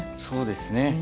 そうですね。